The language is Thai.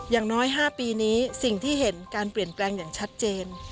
อย่างน้อย๕ปีนี้สิ่งที่เห็นการเปลี่ยนแปลงอย่างชัดเจน